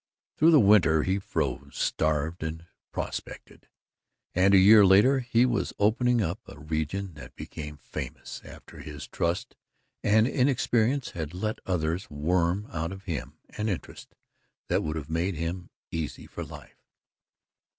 Through the winter he froze, starved and prospected, and a year later he was opening up a region that became famous after his trust and inexperience had let others worm out of him an interest that would have made him easy for life.